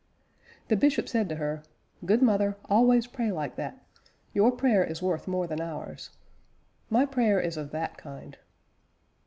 The bishop said to her, 'Good mother, always pray like that; your prayer is worth more than ours.' My prayer is of that kind."